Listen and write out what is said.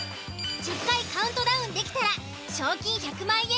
１０回カウントダウンできたら賞金１００万円獲得です。